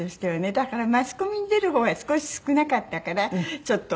だからマスコミに出る方は少し少なかったからちょっとね